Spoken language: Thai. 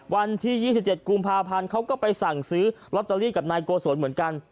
วันที่๒๗กุมภาพันธ์เขาก็ไปสั่งซื้อลอตเตอรี่กับนายโกศลเหมือนกัน